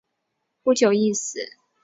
不久亦死。